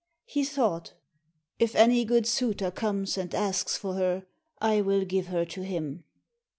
He thought, "If any good suitor comes and asks for her, I will give her to him."